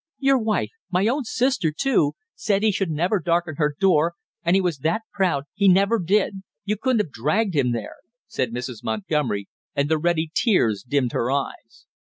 "Your wife, my own sister, too, said he should never darken her door, and he was that proud he never did! You couldn't have dragged him there!" said Mrs. Montgomery, and the ready tears dimmed her eyes.